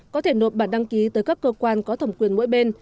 có thể nộp bản đăng ký tới các cơ quan có thẩm quyền mỗi bên